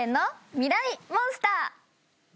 ミライ☆モンスター。